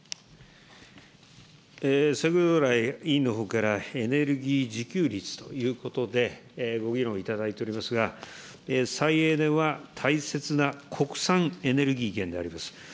先ほど来、委員のほうからエネルギー自給率ということでご議論いただいておりますが、再エネは大切な国産エネルギー源であります。